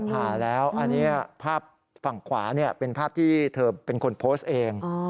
ผ่าแล้วอันนี้ภาพฝั่งขวาเป็นภาพที่เธอเป็นคนโพสต์เอง